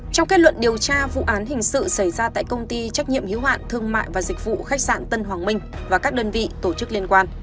trong kết luận điều tra vụ án hình sự xảy ra tại công ty trách nhiệm hiếu hạn thương mại và dịch vụ khách sạn tân hoàng minh và các đơn vị tổ chức liên quan